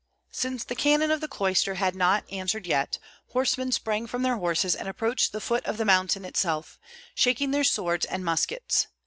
Since the cannon of the cloister had not answered yet, horsemen sprang from their horses and approached the foot of the mountain itself, shaking their swords and muskets.